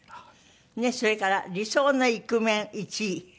それから理想のイクメン１位。